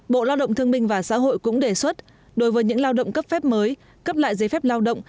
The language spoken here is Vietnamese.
bộ lao động thương minh và xã hội cũng đề xuất đối với những lao động cấp phép mới cấp lại giấy phép lao động